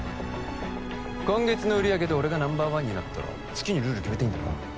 今月の売上で俺がナンバーワンになったら好きにルール決めていいんだよな？